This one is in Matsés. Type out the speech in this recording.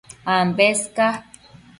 Ambes ca